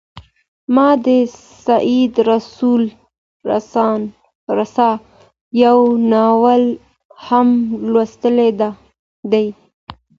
ما د سید رسول رسا یو ناول هم لوستی دی.